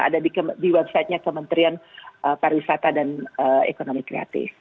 ada di websitenya kementerian para wisata dan ekonomi kreatif